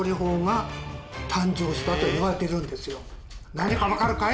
何か分かるかい？